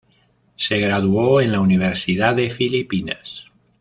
Se graduó en la Universidad de Filipinas.